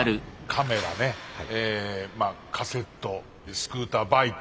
カメラねカセットスクーターバイク